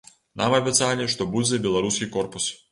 Нам абяцалі, што будзе беларускі корпус.